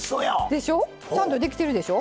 でしょちゃんとできてるでしょ。